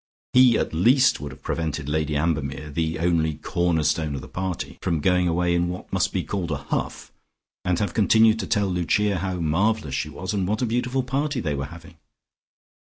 He at least would have prevented Lady Ambermere, the only cornerstone of the party, from going away in what must be called a huff, and have continued to tell Lucia how marvellous she was, and what a beautiful party they were having.